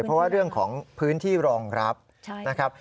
เพราะว่าเรื่องของพื้นที่รองรับนะครับ